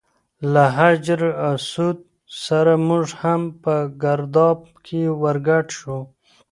له حجر اسود سره موږ هم په ګرداب کې ور ګډ شو.